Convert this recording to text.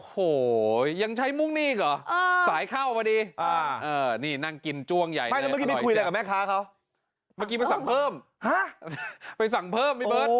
โปรดติดตามตอนต่อไป